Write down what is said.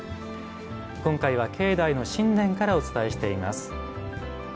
今回は境内の宸殿からお伝えしています。